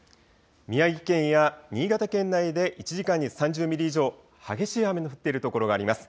宮城県や新潟県内で１時間に３０ミリ以上、激しい雨の降っている所があります。